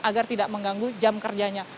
agar tidak mengganggu jam kerjanya